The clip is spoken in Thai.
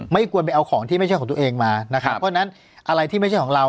ไม่ควรไปเอาของที่ไม่ใช่ของตัวเองมานะครับเพราะฉะนั้นอะไรที่ไม่ใช่ของเรา